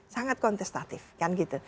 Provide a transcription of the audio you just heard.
sangat kontestatif kan gitu